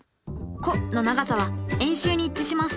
弧の長さは円周に一致します。